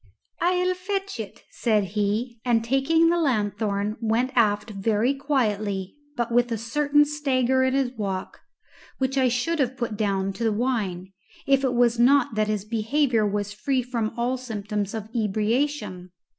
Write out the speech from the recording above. "I'll fetch it," said he, and taking the lanthorn went aft very quietly, but with a certain stagger in his walk, which I should have put down to the wine if it was not that his behaviour was free from all symptoms of ebriation.